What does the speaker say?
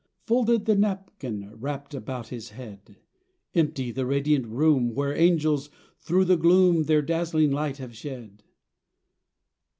Folded the napkin wrapped about His head, Empty the radiant room Where angels through the gloom Their dazzling light have shed.